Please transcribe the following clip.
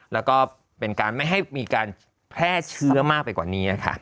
แล้วก็เป็นการไม่ให้มีการแพร่เชื้อมากไปกว่านี้ค่ะ